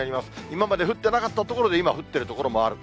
今まで降ってなかった所で、今、降ってる所もある。